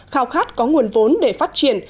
khao khát có nguồn vốn để phát triển